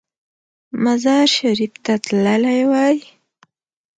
مزار شریف ته تللی وای.